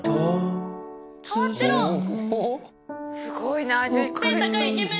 すごいな。